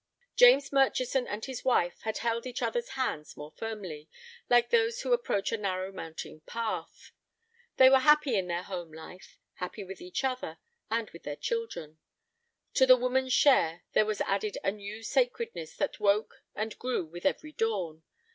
James Murchison and his wife had held each other's hands more firmly, like those who approach a narrow mountain path. They were happy in their home life, happy with each other, and with their children. To the woman's share there was added a new sacredness that woke and grew with every dawn.